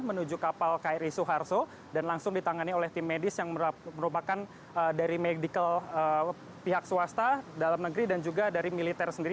menuju kapal kri suharto dan langsung ditangani oleh tim medis yang merupakan dari medical pihak swasta dalam negeri dan juga dari militer sendiri